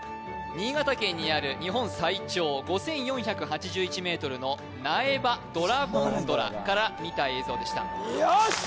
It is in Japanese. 新潟県にある日本最長５４８１ｍの苗場ドラゴンドラから見た映像でしたよし！